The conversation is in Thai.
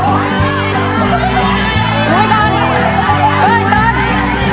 โอฮ่าก็ไว้